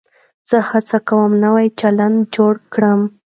زه هڅه کوم نوی چلند جوړ کړم.